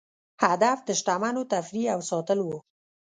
هدف د شتمنو تفریح او ساتل وو.